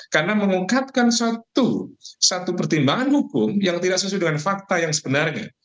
karena mengungkapkan satu pertimbangan hukum yang tidak sesuai dengan fakta yang sebenarnya